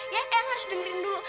ya kamu harus dengerin dulu